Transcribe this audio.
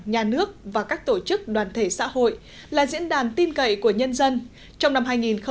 nhà nước và các tổ chức đoàn thể xã hội là diễn đàn tin cậy của nhân dân trong năm hai nghìn một mươi chín